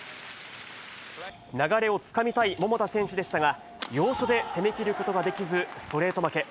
流れをつかみたい桃田選手でしたが、要所で攻めきることができず、ストレート負け。